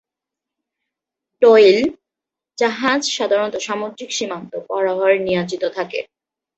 টহল জাহাজ সাধারনত সামুদ্রিক সীমান্ত পাহারায় নিয়োজিত থাকে।